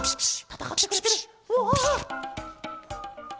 たたかってくれてる。